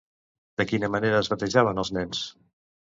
De quina manera es batejaven els nens?